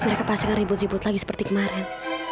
mereka pasti ngeribut ribut lagi seperti kemarin